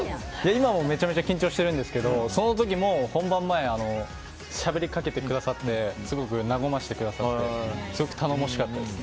今もめちゃめちゃ緊張してるんですけどその時も本番前しゃべりかけてくださってすごく和ましてくださって頼もしかったです。